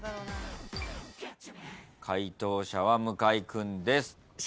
解答者は向井君です。